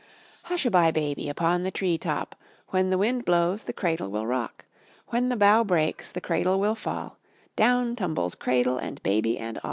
Hush a bye, Baby, upon the tree top, When the wind blows the cradle will rock; When the bough breaks the cradle will fall, Down tumbles cradle and Baby and all.